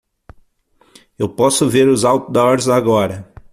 Eu posso ver os outdoors agora.